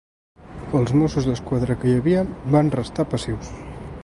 Els mossos d’esquadra que hi havia van restar passius.